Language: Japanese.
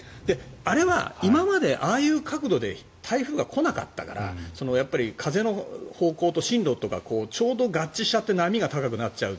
あれは今までああいう角度で台風が来なかったからやっぱり風の方向と進路とかちょうど合致しちゃって波が高くなっちゃう。